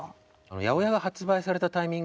８０８が発売されたタイミング